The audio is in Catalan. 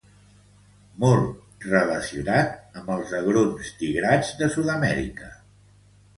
Molt relacionat amb els agrons tigrats de Sud-amèrica.